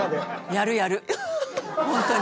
やるやるホントに。